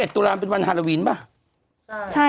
๓๑ตุลาเป็นวันฮาราวีนป่ะ